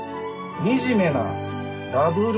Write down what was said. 「惨めなダブル